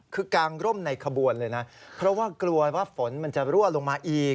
คือกางร่มในขบวนเลยนะเพราะว่ากลัวว่าฝนมันจะรั่วลงมาอีก